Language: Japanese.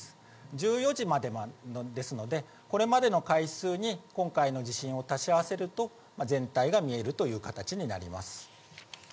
１４時までですので、これまでの回数に今回の地震を足し合わせると、全体が見えるという形になります。